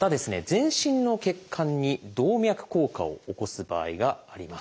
全身の血管に動脈硬化を起こす場合があります。